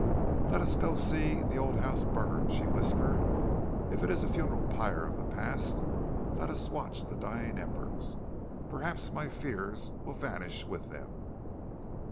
"Let us go and see the old house burn," she whispered. "If it is a funeral pyre of the past, let us watch the dying embers. Perhaps my fears will vanish with them."